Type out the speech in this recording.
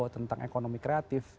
tentang ekonomi kreatif